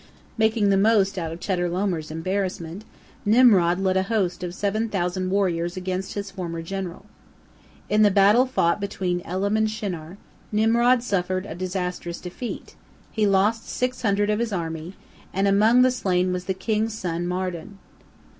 Making the most of Chedorlaomer's embarrassment, Nimrod led a host of seven thousand warriors against his former general. In the battle fought between Elam and Shinar, Nimrod suffered a disastrous defeat, he lost six hundred of his army, and among the slain was the king's son Mardon.